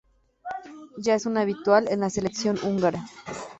Ya es un habitual en la selección húngara.